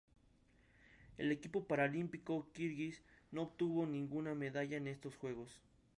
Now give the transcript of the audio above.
El equipo paralímpico kirguís no obtuvo ninguna medalla en estos Juegos.